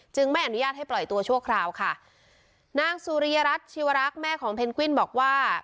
ไม่อนุญาตให้ปล่อยตัวชั่วคราวค่ะนางสุริยรัฐชีวรักษ์แม่ของเพนกวินบอกว่า